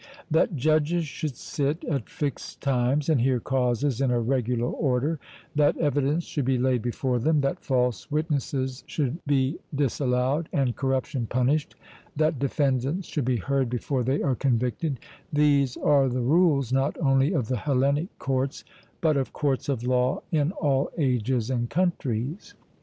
That judges should sit at fixed times and hear causes in a regular order, that evidence should be laid before them, that false witnesses should be disallowed, and corruption punished, that defendants should be heard before they are convicted, these are the rules, not only of the Hellenic courts, but of courts of law in all ages and countries.